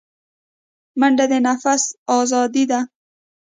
منډه د نفس آزادي ده